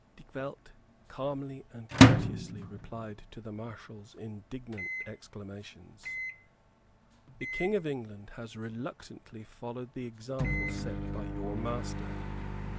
Dykvelt calmly and courteously replied to the Marshal's indignant exclamations. "The King of England has reluctantly followed the example set by your master.